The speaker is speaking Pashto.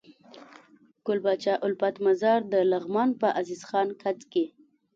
ګل پاچا الفت مزار دلغمان په عزيز خان کځ کي